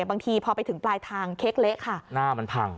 บางทีพอไปถึงปลายทางเค้กเละค่ะหน้ามันพัง